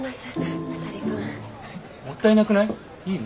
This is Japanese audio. えっもったいなくない？いいの？